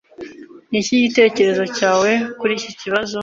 Niki gitekerezo cyawe kuri iki kibazo?